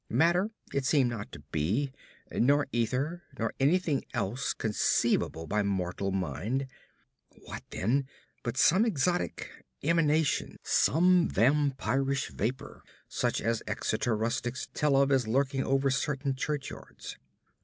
Matter it seemed not to be, nor ether, nor anything else conceivable by mortal mind. What, then, but some exotic emanation; some vampirish vapor such as Exeter rustics tell of as lurking over certain churchyards?